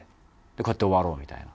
「こうやって終わろう」みたいな。